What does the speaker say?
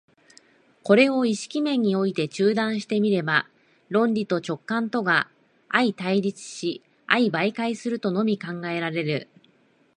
これを意識面において中断して見れば、論理と直覚とが相対立し相媒介するとのみ考えられる。